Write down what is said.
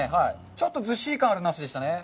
ちょっとずっしり感のあるナスですね。